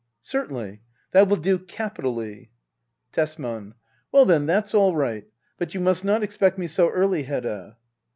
Certainly. That will do capitally. Tesman. Well, then, that's all right. But you must not expect me so early, Hedda.